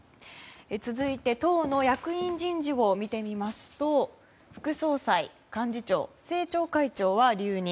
続いて党の役員人事を見てみますと副総裁、幹事長政調会長は留任。